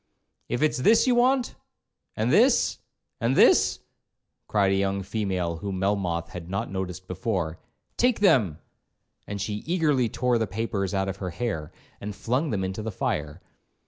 'If it's this you want—and this—and this,' cried a young female whom Melmoth had not noticed before, 'take them;' and she eagerly tore the papers out of her hair, and flung them into the fire.